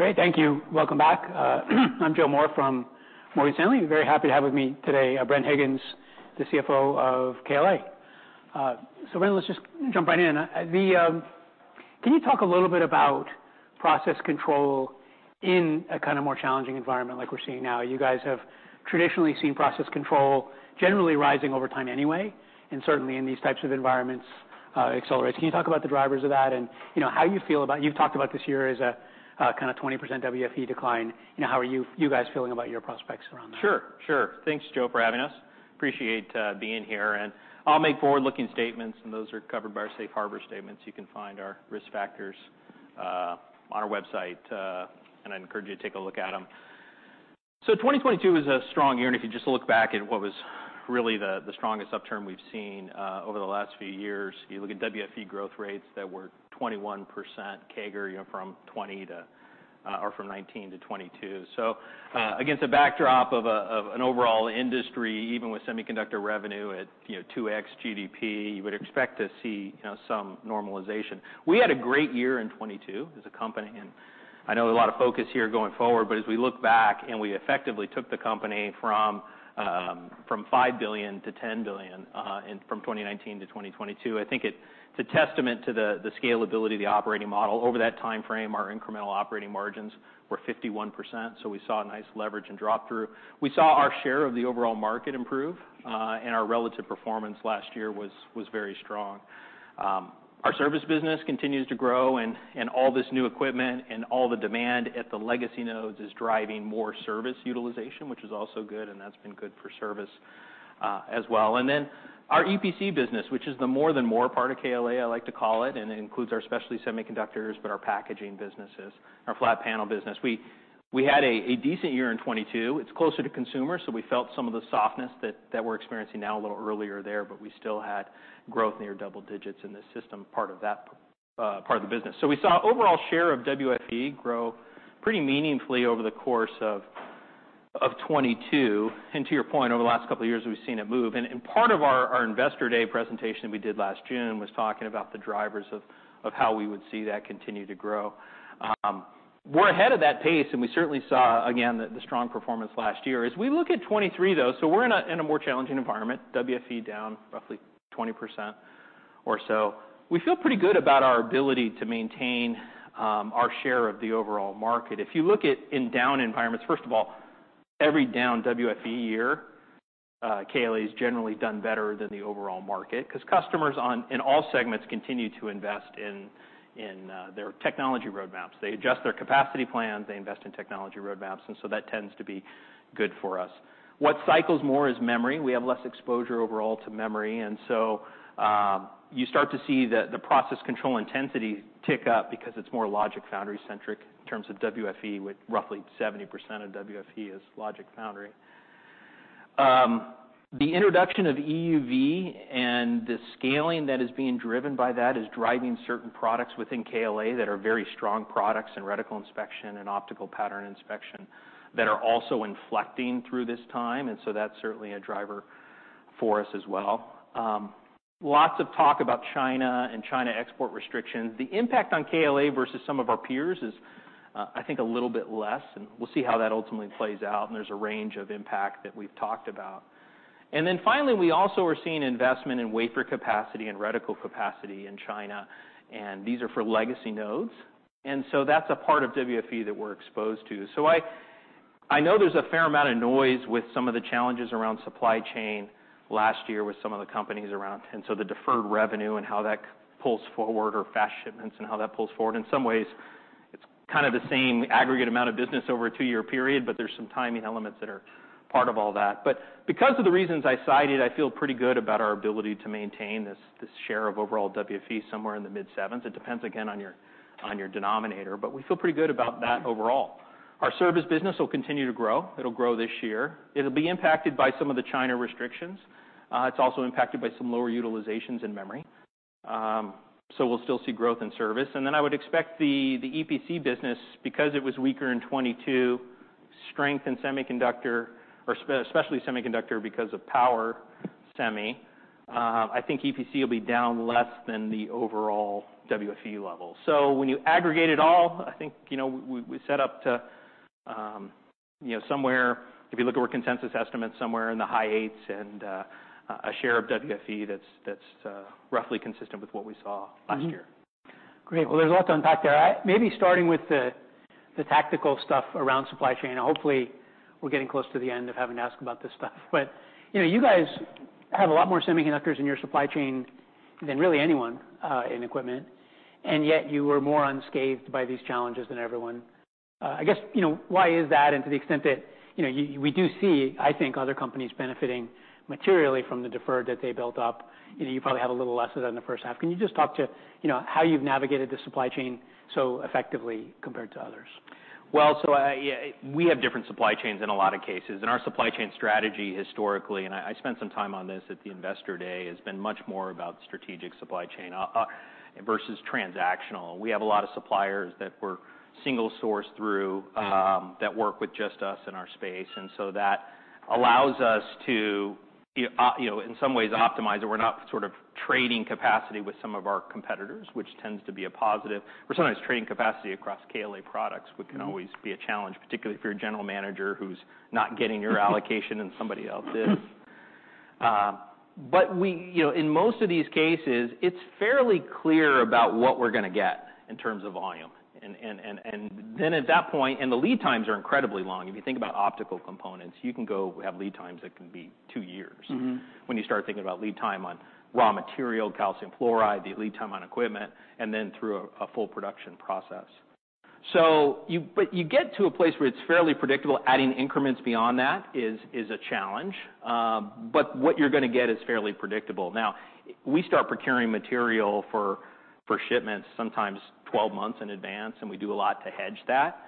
Great. Thank you. Welcome back. I'm Joe Moore from Morgan Stanley. Very happy to have with me today, Bren Higgins, the CFO of KLA. Bren, let's just jump right in. Can you talk a little bit about process control in a kind of more challenging environment like we're seeing now? You guys have traditionally seen process control generally rising over time anyway, and certainly in these types of environments accelerates. Can you talk about the drivers of that and, you know, You've talked about this year as a kind of 20% WFE decline. You know, how are you guys feeling about your prospects around that? Sure. Sure. Thanks, Joe, for having us. Appreciate being here. I'll make forward-looking statements, and those are covered by our safe harbor statements. You can find our risk factors on our website. I encourage you to take a look at them. 2022 was a strong year, and if you just look back at what was really the strongest upturn we've seen over the last few years. You look at WFE growth rates that were 21% CAGR, you know, from 2019-2022. Against a backdrop of an overall industry, even with semiconductor revenue at, you know, 2x GDP, you would expect to see, you know, some normalization. We had a great year in 2022 as a company. I know a lot of focus here going forward. As we look back and we effectively took the company from $5 billion-$10 billion from 2019-2022, I think it's a testament to the scalability of the operating model. Over that timeframe, our incremental operating margins were 51%. We saw a nice leverage in drop-through. Our relative performance last year was very strong. Our service business continues to grow and all this new equipment and all the demand at the legacy nodes is driving more service utilization, which is also good, and that's been good for service as well. Our EPC business, which is the more than more part of KLA, I like to call it, and it includes our specialty semiconductors, but our packaging businesses, our flat panel business. We had a decent year in 2022. It's closer to consumer, so we felt some of the softness that we're experiencing now a little earlier there, but we still had growth near double digits in the system, part of that part of the business. We saw overall share of WFE grow pretty meaningfully over the course of 2022. To your point, over the last couple of years, we've seen it move. Part of our Investor Day presentation we did last June was talking about the drivers of how we would see that continue to grow. We're ahead of that pace, and we certainly saw again the strong performance last year. As we look at 2023, though, we're in a more challenging environment, WFE down roughly 20% or so. We feel pretty good about our ability to maintain our share of the overall market. If you look at in down environments, first of all, every down WFE year, KLA's generally done better than the overall market 'cause customers in all segments continue to invest in their technology roadmaps. They adjust their capacity plans, they invest in technology roadmaps, that tends to be good for us. What cycles more is memory. We have less exposure overall to memory, you start to see the process control intensity tick up because it's more logic foundry-centric in terms of WFE, with roughly 70% of WFE is logic foundry. The introduction of EUV and the scaling that is being driven by that is driving certain products within KLA that are very strong products in reticle inspection and optical pattern inspection that are also inflecting through this time, and so that's certainly a driver for us as well. Lots of talk about China and China export restrictions. The impact on KLA versus some of our peers is, I think a little bit less, and we'll see how that ultimately plays out, and there's a range of impact that we've talked about. Finally, we also are seeing investment in wafer capacity and reticle capacity in China, and these are for legacy nodes. That's a part of WFE that we're exposed to. I know there's a fair amount of noise with some of the challenges around supply chain last year with some of the companies around, the deferred revenue and how that pulls forward or fast shipments and how that pulls forward. In some ways, it's kind of the same aggregate amount of business over a two-year period, but there's some timing elements that are part of all that. Because of the reasons I cited, I feel pretty good about our ability to maintain this share of overall WFE somewhere in the mid-sevens. It depends again on your denominator, but we feel pretty good about that overall. Our service business will continue to grow. It'll grow this year. It'll be impacted by some of the China restrictions. It's also impacted by some lower utilizations in memory. So we'll still see growth in service. I would expect the EPC business, because it was weaker in 2022, strength in semiconductor or especially semiconductor because of power semi, I think EPC will be down less than the overall WFE level. When you aggregate it all, I think, you know, we set up to, you know, somewhere, if you look at our consensus estimates, somewhere in the high eights and a share of WFE that's, roughly consistent with what we saw last year. Mm-hmm. Great. Well, there's a lot to unpack there. Maybe starting with the tactical stuff around supply chain, and hopefully we're getting close to the end of having to ask about this stuff. But, you know, you guys have a lot more semiconductors in your supply chain than really anyone in equipment, and yet you were more unscathed by these challenges than everyone. I guess, you know, why is that? And to the extent that, you know, we do see, I think, other companies benefiting materially from the deferred that they built up. You know, you probably have a little less of that in the first half. Can you just talk to, you know, how you've navigated the supply chain so effectively compared to others? Well, We have different supply chains in a lot of cases, and our supply chain strategy historically, and I spent some time on this at the Investor Day, has been much more about strategic supply chain versus transactional. We have a lot of suppliers that we're single source through, that work with just us in our space, that allows us to, you know, in some ways optimize it. We're not sort of trading capacity with some of our competitors, which tends to be a positive. We're sometimes trading capacity across KLA products, which can always be a challenge, particularly if you're a general manager who's not getting your allocation and somebody else is. We, you know, in most of these cases, it's fairly clear about what we're gonna get in terms of volume. At that point. The lead times are incredibly long. If you think about optical components, you can go have lead times that can be two years. Mm-hmm. When you start thinking about lead time on raw material, calcium fluoride, the lead time on equipment, and then through a full production process. You get to a place where it's fairly predictable. Adding increments beyond that is a challenge, but what you're gonna get is fairly predictable. We start procuring material for shipments sometimes 12 months in advance, and we do a lot to hedge that.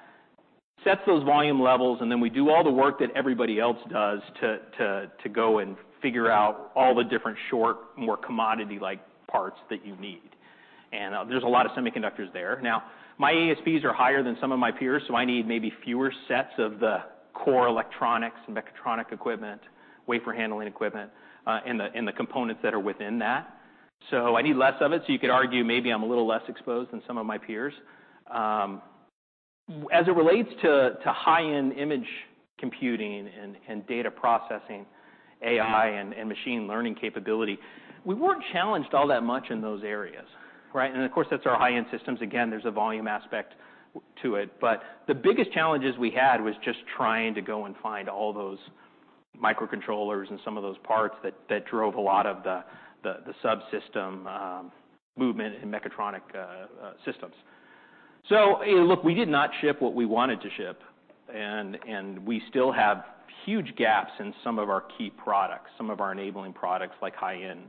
Set those volume levels, and then we do all the work that everybody else does to go and figure out all the different short, more commodity-like parts that you need. There's a lot of semiconductors there. My ASPs are higher than some of my peers, so I need maybe fewer sets of the core electronics, mechatronic equipment, wafer handling equipment, and the components that are within that. I need less of it. You could argue maybe I'm a little less exposed than some of my peers. As it relates to high-end image computing and data processing, AI and machine learning capability, we weren't challenged all that much in those areas, right? Of course, that's our high-end systems. Again, there's a volume aspect to it. The biggest challenges we had was just trying to go and find all those microcontrollers and some of those parts that drove a lot of the subsystem movement in mechatronic systems. Hey, look, we did not ship what we wanted to ship, and we still have huge gaps in some of our key products, some of our enabling products, like high-end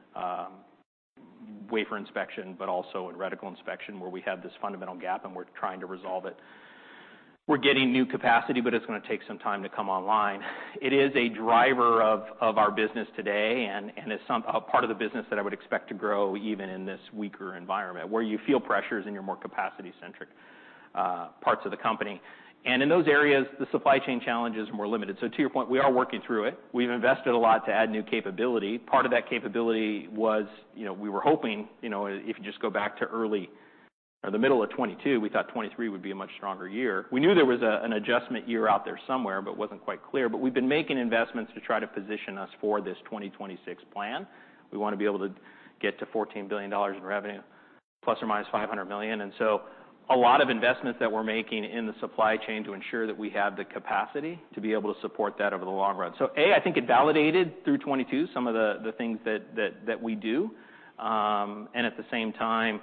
wafer inspection, but also in reticle inspection, where we have this fundamental gap, and we're trying to resolve it. We're getting new capacity, but it's gonna take some time to come online. It is a driver of our business today, and it's a part of the business that I would expect to grow even in this weaker environment where you feel pressures in your more capacity-centric parts of the company. In those areas, the supply chain challenge is more limited. To your point, we are working through it. We've invested a lot to add new capability. Part of that capability was, you know, we were hoping, you know, if you just go back to early or the middle of 2022, we thought 2023 would be a much stronger year. We knew there was a, an adjustment year out there somewhere, but it wasn't quite clear. We've been making investments to try to position us for this 2026 plan. We wanna be able to get to $14 billion in revenue, ±$500 million. A lot of investments that we're making in the supply chain to ensure that we have the capacity to be able to support that over the long run. A, I think it validated through 2022 some of the things that we do. At the same time,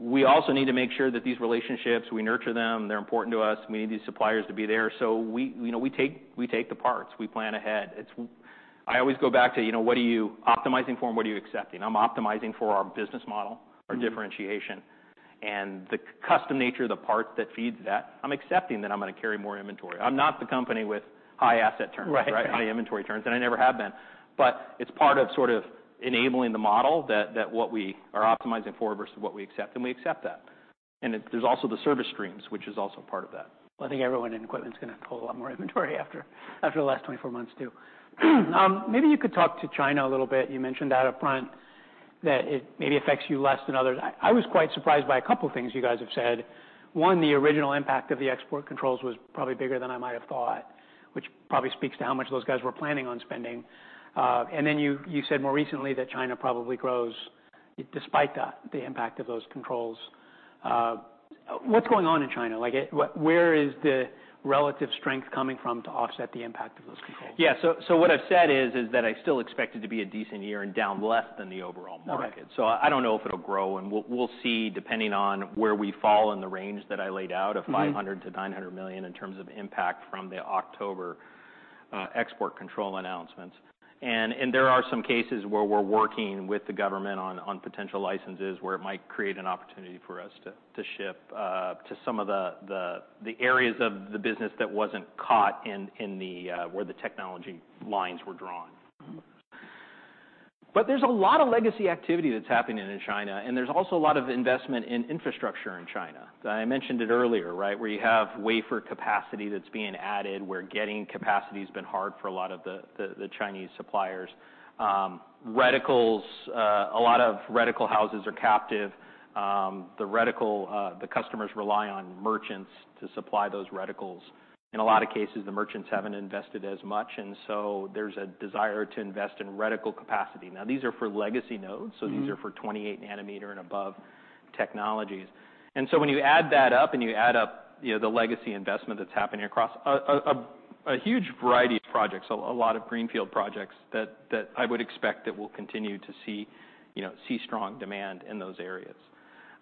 we also need to make sure that these relationships, we nurture them, they're important to us, we need these suppliers to be there. We, you know, we take the parts, we plan ahead. I always go back to, you know, what are you optimizing for and what are you accepting? I'm optimizing for our business model. Mm-hmm... our differentiation, and the custom nature of the parts that feeds that. I'm accepting that I'm gonna carry more inventory. I'm not the company with high asset turns. Right. Right? High inventory turns, and I never have been. It's part of sort of enabling the model that what we are optimizing for versus what we accept, and we accept that. There's also the service streams, which is also part of that. I think everyone in equipment's gonna hold a lot more inventory after the last 24 months too. Maybe you could talk to China a little bit. You mentioned that up front that it maybe affects you less than others. I was quite surprised by a couple things you guys have said. One, the original impact of the export controls was probably bigger than I might have thought, which probably speaks to how much those guys were planning on spending. You said more recently that China probably grows despite the impact of those controls. What's going on in China? Like, where is the relative strength coming from to offset the impact of those controls? Yeah. What I've said is that I still expect it to be a decent year and down less than the overall market. Okay. I don't know if it'll grow, and we'll see, depending on where we fall in the range that I laid out. Mm-hmm... of $500 million-$900 million in terms of impact from the October export control announcements. There are some cases where we're working with the government on potential licenses where it might create an opportunity for us to ship to some of the areas of the business that wasn't caught in the where the technology lines were drawn. Mm-hmm. There's a lot of legacy activity that's happening in China, and there's also a lot of investment in infrastructure in China. I mentioned it earlier, right? Where you have wafer capacity that's being added, where getting capacity's been hard for a lot of the Chinese suppliers. Reticles, a lot of reticle houses are captive. The reticle, the customers rely on merchants to supply those reticles. In a lot of cases, the merchants haven't invested as much, and so there's a desire to invest in reticle capacity. Now, these are for legacy nodes. Mm-hmm. These are for 28 nanometer and above technologies. When you add that up and you add up, you know, the legacy investment that's happening across a huge variety of projects, a lot of greenfield projects that I would expect that we'll continue to see, you know, see strong demand in those areas.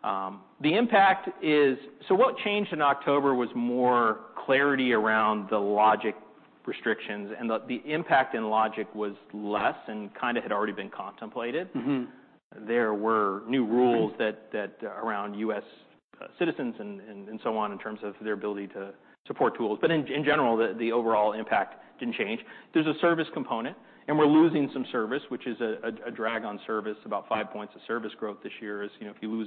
The impact is. What changed in October was more clarity around the logic restrictions, and the impact in logic was less and kind of had already been contemplated. Mm-hmm. There were new rules that around US citizens and so on in terms of their ability to support tools. In general, the overall impact didn't change. There's a service component, and we're losing some service, which is a drag on service. About five points of service growth this year is, you know, if you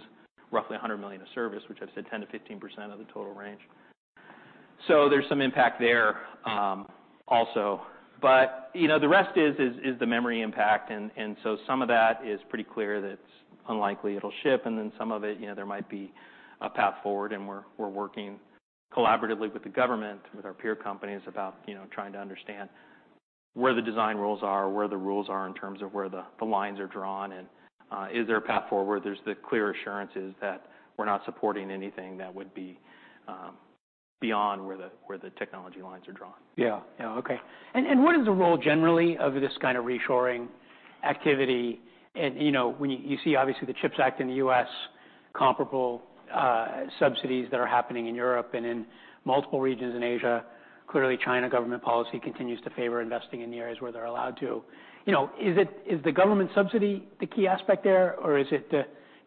lose roughly $100 million of service, which I've said 10%-15% of the total range. So there's some impact there also. You know, the rest is the memory impact. Some of that is pretty clear that it's unlikely it'll ship, and then some of it, you know, there might be a path forward, and we're working collaboratively with the government, with our peer companies about, you know, trying to understand where the design rules are, where the rules are in terms of where the lines are drawn. Is there a path forward where there's the clear assurances that we're not supporting anything that would be beyond where the technology lines are drawn? Yeah. Yeah, okay. What is the role generally of this kind of reshoring activity? You know, when you see obviously the CHIPS Act in the U.S., comparable subsidies that are happening in Europe and in multiple regions in Asia. Clearly, China government policy continues to favor investing in the areas where they're allowed to. You know, is the government subsidy the key aspect there, or is it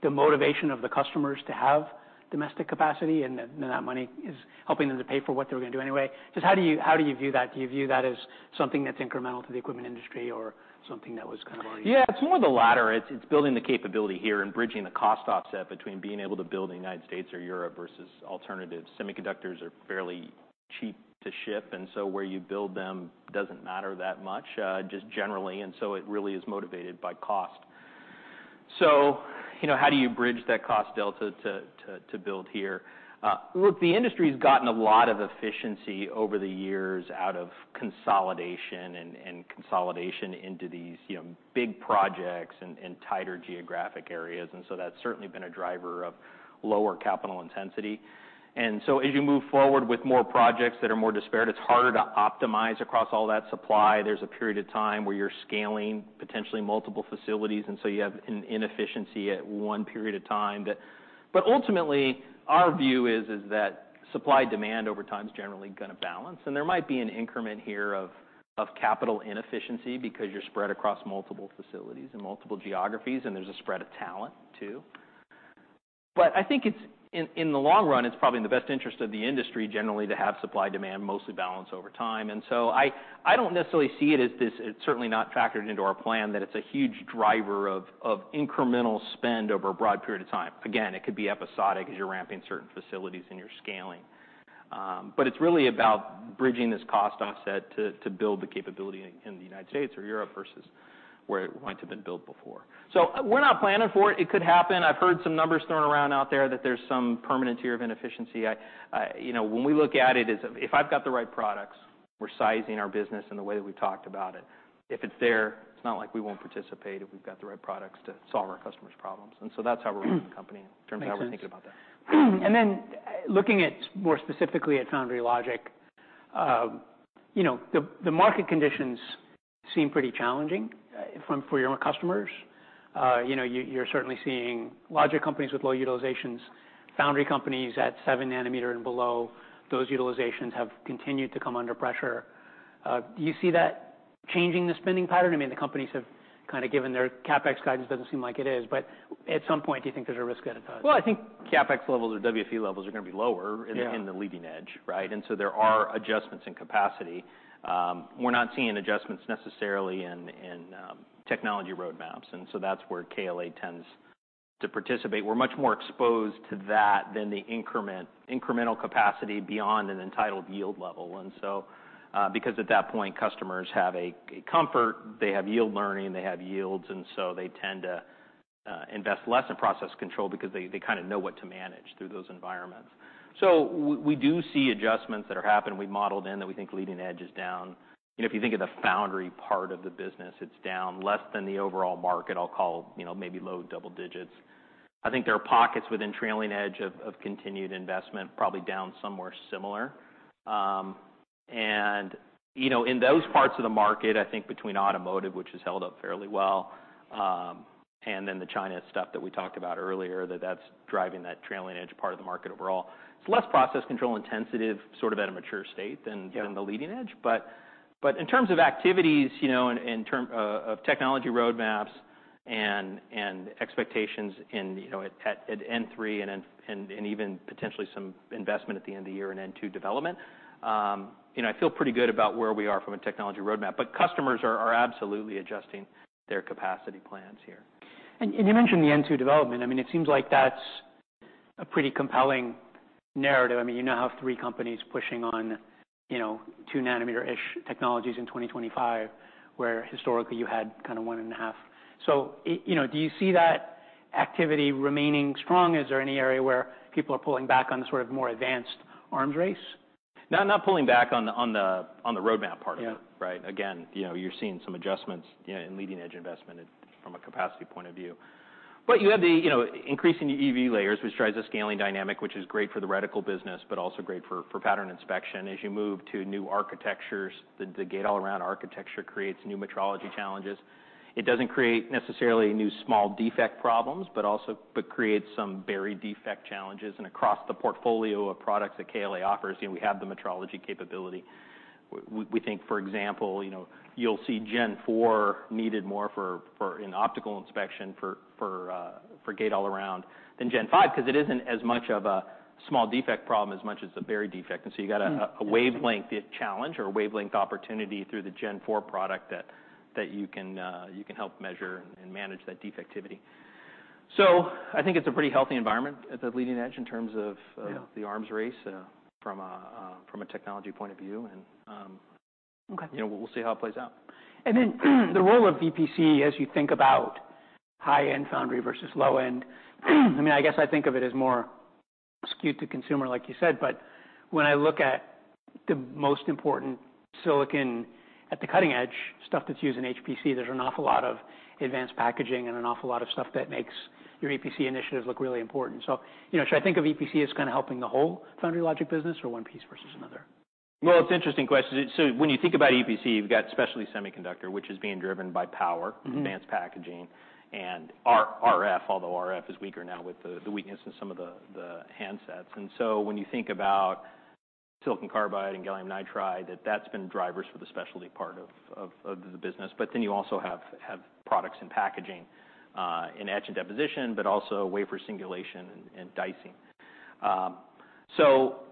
the motivation of the customers to have domestic capacity, and then that money is helping them to pay for what they were gonna do anyway? Just how do you, how do you view that? Do you view that as something that's incremental to the equipment industry or something that was kind of already? Yeah, it's more the latter. It's building the capability here and bridging the cost offset between being able to build in the United States or Europe versus alternatives. Semiconductors are fairly cheap to ship. Where you build them doesn't matter that much, just generally. It really is motivated by cost. You know, how do you bridge that cost delta to build here? Look, the industry's gotten a lot of efficiency over the years out of consolidation and consolidation into these, you know, big projects and tighter geographic areas. That's certainly been a driver of lower capital intensity. As you move forward with more projects that are more disparate, it's harder to optimize across all that supply. There's a period of time where you're scaling potentially multiple facilities, and so you have inefficiency at one period of time. Ultimately, our view is that supply-demand over time is generally gonna balance. There might be an increment here of capital inefficiency because you're spread across multiple facilities and multiple geographies, and there's a spread of talent too. I think it's in the long run, it's probably in the best interest of the industry generally to have supply-demand mostly balanced over time. I don't necessarily see it as this, it's certainly not factored into our plan, that it's a huge driver of incremental spend over a broad period of time. Again, it could be episodic as you're ramping certain facilities and you're scaling. It's really about bridging this cost offset to build the capability in the United States or Europe versus where it might have been built before. We're not planning for it. It could happen. I've heard some numbers thrown around out there that there's some permanent tier of inefficiency. You know, when we look at it, is if I've got the right products, we're sizing our business in the way that we talked about it, if it's there, it's not like we won't participate if we've got the right products to solve our customers' problems. That's how we're running the company in terms of how we think about that. Looking at, more specifically at Foundry logic, you know, the market conditions seem pretty challenging for your customers. You know, you're certainly seeing logic companies with low utilizations, foundry companies at 7 nanometer and below, those utilizations have continued to come under pressure. Do you see that changing the spending pattern? I mean, the companies have kind of given their CapEx guidance, doesn't seem like it is. At some point, do you think there's a risk that it does? Well, I think CapEx levels or WFE levels are gonna be lower- Yeah... in the leading edge, right? There are adjustments in capacity. We're not seeing adjustments necessarily in technology roadmaps, that's where KLA tends to participate. We're much more exposed to that than the incremental capacity beyond an entitled yield level. Because at that point, customers have a comfort, they have yield learning, they have yields, they tend to invest less in process control because they kind of know what to manage through those environments. We do see adjustments that are happening. We modeled in that we think leading edge is down. You know, if you think of the foundry part of the business, it's down less than the overall market, I'll call, you know, maybe low double digits. I think there are pockets within trailing edge of continued investment, probably down somewhere similar. You know, in those parts of the market, I think between automotive, which has held up fairly well, and then the China stuff that we talked about earlier, that's driving that trailing edge part of the market overall. It's less process control intensive, sort of at a mature state than-. Yeah... than the leading edge. In terms of activities, you know, in terms of technology roadmaps and expectations in, you know, at N3 and even potentially some investment at the end of the year in N2 development, you know, I feel pretty good about where we are from a technology roadmap. Customers are absolutely adjusting their capacity plans here. You mentioned the N2 development. I mean, it seems like that's a pretty compelling narrative. I mean, you now have three companies pushing on, you know, 2 nanometer-ish technologies in 2025, where historically you had kind of 1.5. You know, do you see that activity remaining strong? Is there any area where people are pulling back on the sort of more advanced arms race? No, not pulling back on the roadmap part of it. Yeah. Right? Again, you know, you're seeing some adjustments, you know, in leading edge investment from a capacity point of view. You have the, you know, increasing EUV layers, which drives the scaling dynamic, which is great for the reticle business, but also great for pattern inspection. As you move to new architectures, the gate-all-around architecture creates new metrology challenges. It doesn't create necessarily new small defect problems, but also creates some buried defect challenges. Across the portfolio of products that KLA offers, you know, we have the metrology capability. We think, for example, you know, you'll see Gen4 needed more for an optical inspection for gate-all-around than Gen5, 'cause it isn't as much of a small defect problem as much as the buried defect. You got a wavelength challenge or wavelength opportunity through the Gen4 product that you can help measure and manage that defectivity. I think it's a pretty healthy environment at the leading edge in terms of. Yeah... the arms race, from a, from a technology point of view. Okay You know, we'll see how it plays out. The role of VPC as you think about high-end foundry versus low end. I mean, I guess I think of it as more skewed to consumer, like you said, but when I look at the most important silicon at the cutting edge, stuff that's used in HPC, there's an awful lot of advanced packaging and an awful lot of stuff that makes your EPC initiatives look really important. You know, should I think of EPC as kind of helping the whole foundry logic business or one piece versus another? It's an interesting question. When you think about EPC, you've got specialty semiconductor, which is being driven by. Mm-hmm... advanced packaging and RF, although RF is weaker now with the weakness in some of the handsets. When you think about silicon carbide and gallium nitride, that's been drivers for the specialty part of the business. You also have products and packaging in etch and deposition, but also wafer singulation and dicing.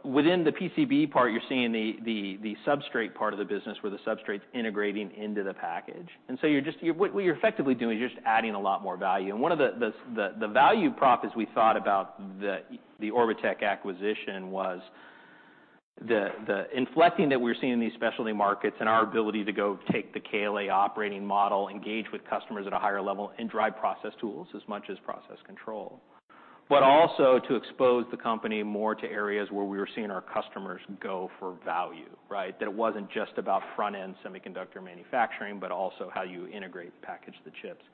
Within the PCB part, you're seeing the substrate part of the business where the substrate's integrating into the package. What you're effectively doing is just adding a lot more value. One of the value prop as we thought about the Orbotech acquisition was the inflecting that we're seeing in these specialty markets and our ability to go take the KLA operating model, engage with customers at a higher level, and drive process tools as much as process control. Also to expose the company more to areas where we were seeing our customers go for value, right? That it wasn't just about front-end semiconductor manufacturing, but also how you integrate, package the chips.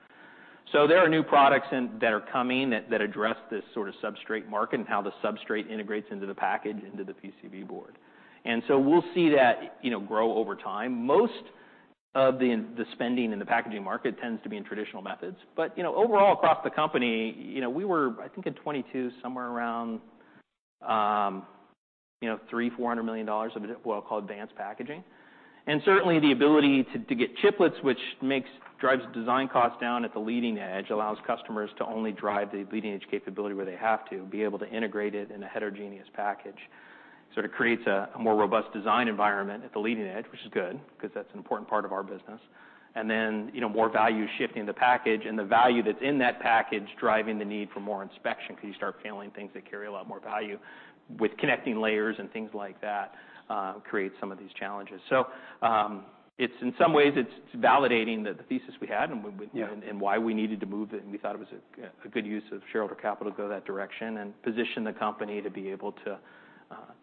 There are new products that are coming that address this sort of substrate market and how the substrate integrates into the package, into the PCB board. We'll see that, you know, grow over time. Most of the spending in the packaging market tends to be in traditional methods. You know, overall across the company, you know, we were, I think in 2022, somewhere around, you know, $300 million-$400 million of what I'll call advanced packaging. Certainly, the ability to get chiplets, which drives design costs down at the leading edge, allows customers to only drive the leading-edge capability where they have to, be able to integrate it in a heterogeneous package. Sort of creates a more robust design environment at the leading edge, which is good because that's an important part of our business. Then, you know, more value shifting the package and the value that's in that package, driving the need for more inspection 'cause you start failing things that carry a lot more value with connecting layers and things like that, creates some of these challenges. It's in some ways it's validating the thesis we had and. Yeah Why we needed to move, and we thought it was a good use of shareholder capital to go that direction and position the company to be able to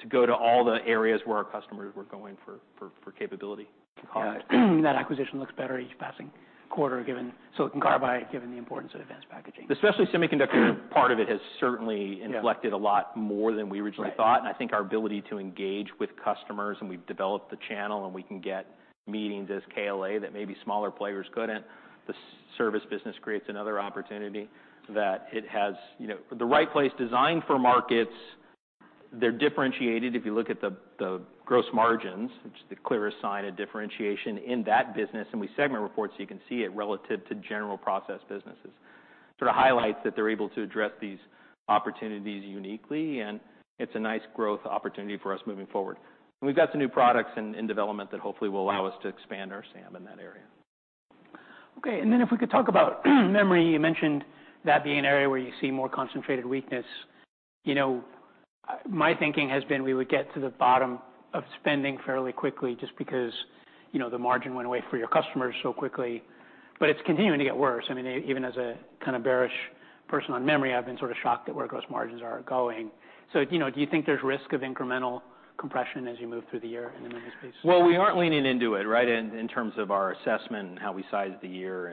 go to all the areas where our customers were going for capability. That acquisition looks better each passing quarter, given silicon carbide, given the importance of advanced packaging. The specialty semiconductor part of it has certainly inflected... Yeah... a lot more than we originally thought. Right. I think our ability to engage with customers, and we've developed the channel, and we can get meetings as KLA that maybe smaller players couldn't. The service business creates another opportunity that it has, you know, the right place designed for markets. They're differentiated. If you look at the gross margins, which is the clearest sign of differentiation in that business, we segment reports, you can see it relative to general process businesses. Sort of highlights that they're able to address these opportunities uniquely, it's a nice growth opportunity for us moving forward. We've got some new products in development that hopefully will allow us to expand our SAM in that area. Okay. If we could talk about memory. You mentioned that being an area where you see more concentrated weakness. You know, my thinking has been we would get to the bottom of spending fairly quickly just because, you know, the margin went away for your customers so quickly. It's continuing to get worse. I mean, even as a kind of bearish person on memory, I've been sort of shocked at where gross margins are going. You know, do you think there's risk of incremental compression as you move through the year in the memory space? Well, we aren't leaning into it, right? In terms of our assessment and how we size the year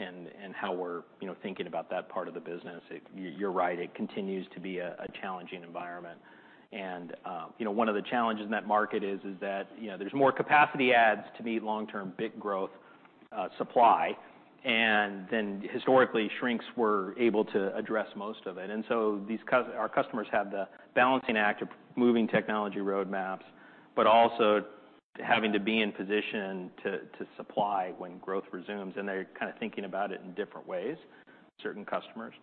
and how we're, you know, thinking about that part of the business. You're right, it continues to be a challenging environment. You know, one of the challenges in that market is that, you know, there's more capacity adds to meet long-term bit growth supply. Historically, shrinks were able to address most of it. So these our customers have the balancing act of moving technology roadmaps, but also having to be in position to supply when growth resumes, and they're kind of thinking about it in different ways, certain customers.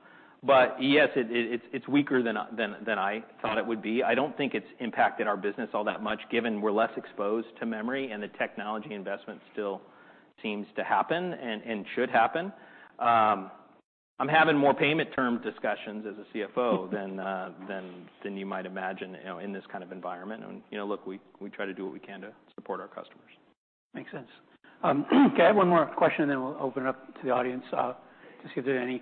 Yes, it's weaker than I thought it would be. I don't think it's impacted our business all that much, given we're less exposed to memory and the technology investment still seems to happen and should happen. I'm having more payment term discussions as a CFO than you might imagine, you know, in this kind of environment. You know, look, we try to do what we can to support our customers. Makes sense. Okay, I have one more question, and then we'll open it up to the audience, just see if there are any.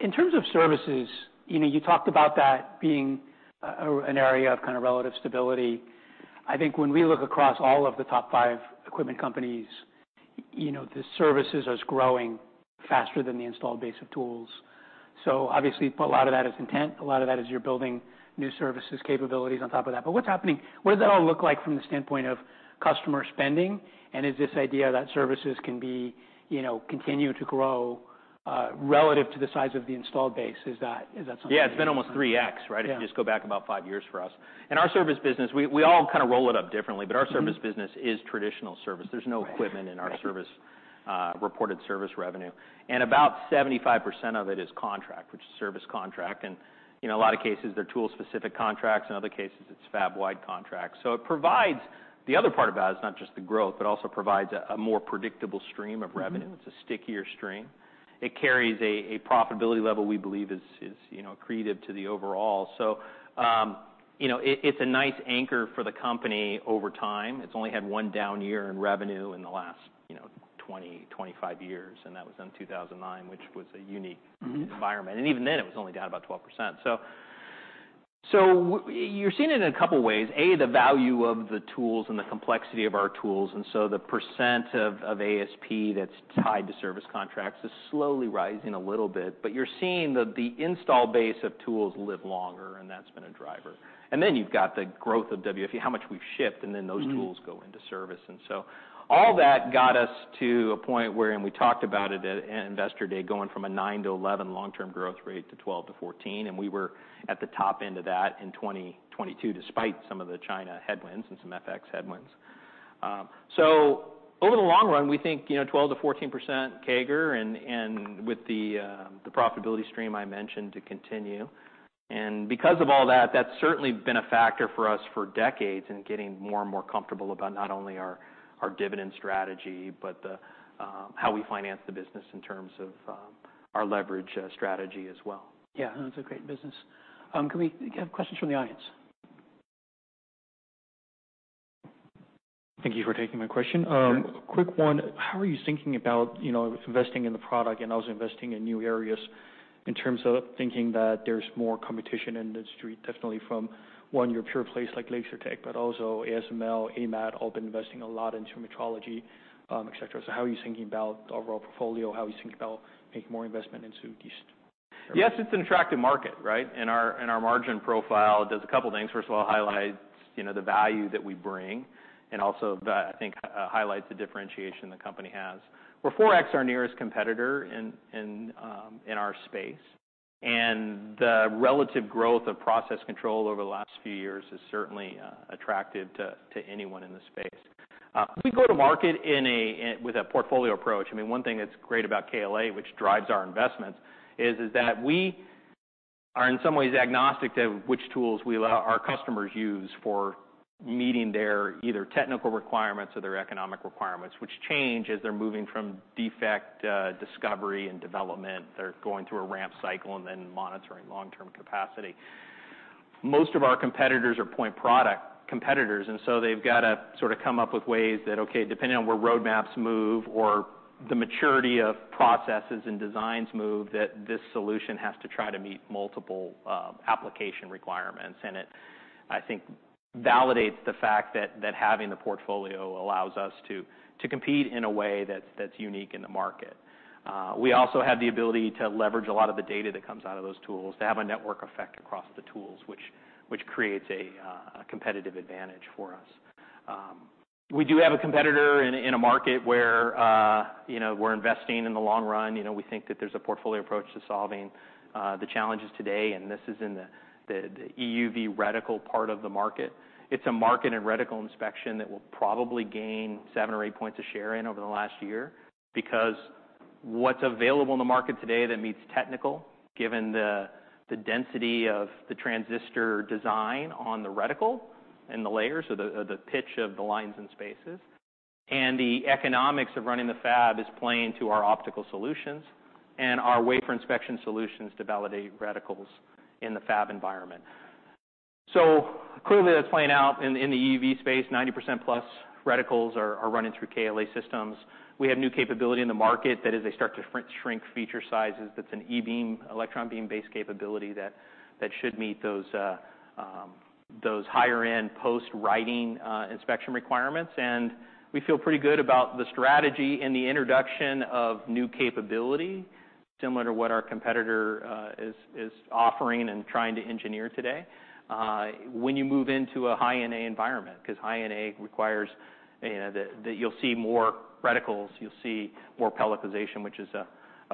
In terms of services, you know, you talked about that being an area of kind of relative stability. I think when we look across all of the top five equipment companies, you know, the services is growing faster than the installed base of tools. Obviously, a lot of that is content, a lot of that is you're building new services capabilities on top of that. What's happening? What does that all look like from the standpoint of customer spending? Is this idea that services can be, you know, continue to grow, relative to the size of the installed base, is that something? Yeah. It's been almost 3x, right? Yeah. If you just go back about five years for us. In our service business, we all kind of roll it up differently. Mm-hmm Our service business is traditional service. Right. There's no equipment in our service, reported service revenue. About 75% of it is contract, which is service contract. You know, a lot of cases, they're tool-specific contracts. In other cases, it's fab-wide contracts. The other part about it is not just the growth, but also provides a more predictable stream of revenue. Mm-hmm. It's a stickier stream. It carries a profitability level we believe is, you know, accretive to the overall. You know, it's a nice anchor for the company over time. It's only had one down year in revenue in the last, you know, 20, 25 years, and that was in 2009, which was a unique. Mm-hmm... environment. Even then, it was only down about 12%. You're seeing it in a couple ways. A, the value of the tools and the complexity of our tools, and so the percent of ASP that's tied to service contracts is slowly rising a little bit. You're seeing the install base of tools live longer, and that's been a driver. Then you've got the growth of WFE, how much we've shipped, and then those- Mm-hmm... tools go into service. All that got us to a point where, and we talked about it at Investor Day, going from a nine-11 long-term growth rate to 12-14, and we were at the top end of that in 2022, despite some of the China headwinds and some FX headwinds. Over the long run, we think, you know, 12-14% CAGR and with the profitability stream I mentioned to continue. Because of all that's certainly been a factor for us for decades in getting more and more comfortable about not only our dividend strategy, but the how we finance the business in terms of our leverage strategy as well. Yeah, no, it's a great business. Can we have questions from the audience? Thank you for taking my question. Sure. Quick one. How are you thinking about, you know, investing in the product and also investing in new areas in terms of thinking that there's more competition in the industry, definitely from, one, your pure plays like Lasertec, but also ASML, AMAT, all been investing a lot into metrology, et cetera. How are you thinking about the overall portfolio? How are you thinking about making more investment into these areas? Yes, it's an attractive market, right? Our margin profile does a couple things. First of all, highlights, you know, the value that we bring, and also, I think, highlights the differentiation the company has. We're 4X our nearest competitor in our space. The relative growth of process control over the last few years is certainly attractive to anyone in the space. We go to market with a portfolio approach. I mean, one thing that's great about KLA, which drives our investments is that we are in some ways agnostic to which tools we allow our customers use for meeting their either technical requirements or their economic requirements, which change as they're moving from defect discovery and development. They're going through a ramp cycle and then monitoring long-term capacity. Most of our competitors are point product competitors, they've got to sort of come up with ways that, okay, depending on where roadmaps move or the maturity of processes and designs move, that this solution has to try to meet multiple application requirements. It, I think, validates the fact that having the portfolio allows us to compete in a way that's unique in the market. We also have the ability to leverage a lot of the data that comes out of those tools to have a network effect across the tools, which creates a competitive advantage for us. We do have a competitor in a market where, you know, we're investing in the long run. You know, we think that there's a portfolio approach to solving the challenges today. This is in the, the EUV reticle part of the market. It's a market in reticle inspection that we'll probably gain seven or eight points of share in over the last year because what's available in the market today that meets technical, given the density of the transistor design on the reticle and the layers of the pitch of the lines and spaces, and the economics of running the fab is playing to our optical solutions and our wafer inspection solutions to validate reticles in the fab environment. Clearly that's playing out in the EUV space. 90%+ reticles are running through KLA systems. We have new capability in the market that as they start to shrink feature sizes, that's an E-beam, electron beam-based capability that should meet those higher end post-writing inspection requirements. We feel pretty good about the strategy and the introduction of new capability similar to what our competitor is offering and trying to engineer today. When you move into a high NA environment, 'cause high NA requires, you know, that you'll see more reticles, you'll see more pellicle, which is a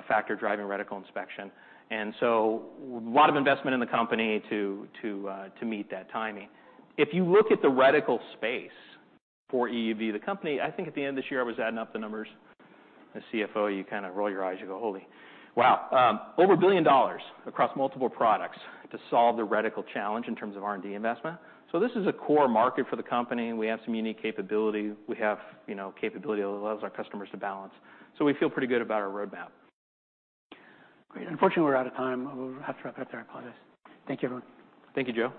factor driving reticle inspection. lot of investment in the company to meet that timing. If you look at the reticle space for EUV, the company, I think at the end of this year, I was adding up the numbers. As CFO, you kind of roll your eyes, you go, "Holy. Wow." Over $1 billion across multiple products to solve the reticle challenge in terms of R&D investment. This is a core market for the company, and we have some unique capability. We have, you know, capability that allows our customers to balance. We feel pretty good about our roadmap. Great. Unfortunately, we're out of time. We'll have to wrap it up there. I apologize. Thank you, everyone. Thank you, Joe.